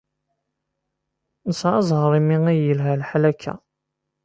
Nesɛa zzheṛ imi ay yelha lḥal akka.